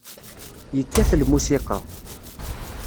Yekkat lmusiqa.